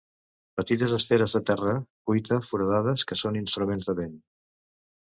Petites esferes de terra cuita foradades que són instruments de vent.